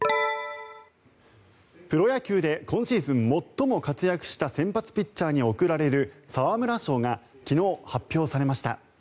プロ野球で今シーズン最も活躍した先発ピッチャーに贈られる沢村賞が昨日、発表されました。